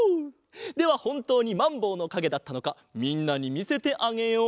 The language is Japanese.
ではほんとうにまんぼうのかげだったのかみんなにみせてあげよう。